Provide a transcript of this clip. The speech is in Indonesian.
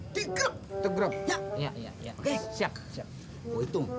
hai di grup grup ya iya siap siap itu satu satu dua dua tiga tiga tiga